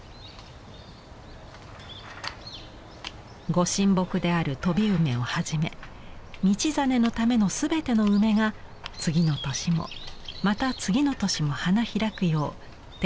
御神木である「飛梅」をはじめ道真のための全ての梅が次の年もまた次の年も花開くよう手入れを欠かしません。